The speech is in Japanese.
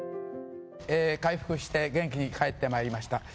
回復して元気に帰ってまいりました。